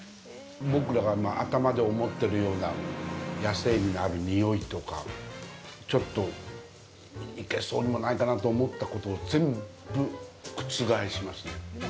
僕らが、頭で思ってるような野性味のあるにおいとかちょっと、いけそうにもないかなと思ったことを全部覆しますね。